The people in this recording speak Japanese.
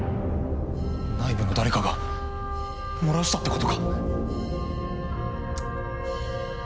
内部の誰かが漏らしたってことか！？